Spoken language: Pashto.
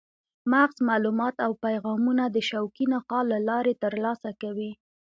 مغز معلومات او پیغامونه د شوکي نخاع له لارې ترلاسه کوي.